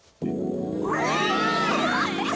おすごい。